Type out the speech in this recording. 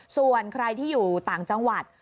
ส่วนใครที่อยู่ต่างจังหวัด